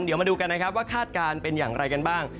เดี๋ยวมาดูกันนะครับว่าคาดการณ์เป็นอย่างไรกันบ้าง